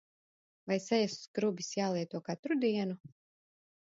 Vai sejas skrubis jālieto katru dienu?